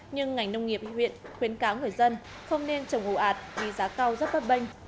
nhưng ngành nông nghiệp huyện khuyến cáo người dân không nên trồng hồ ạt vì giá cao rất bấp bênh